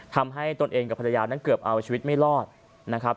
ตนเองกับภรรยานั้นเกือบเอาชีวิตไม่รอดนะครับ